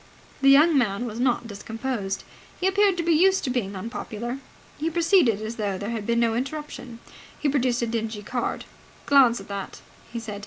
The young man was not discomposed. He appeared to be used to being unpopular. He proceeded as though there had been no interruption. He produced a dingy card. "Glance at that," he said.